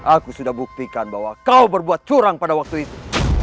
aku sudah buktikan bahwa kau berbuat curang pada waktu itu